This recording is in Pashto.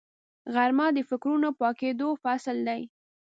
غرمه د فکرونو پاکېدو فصل دی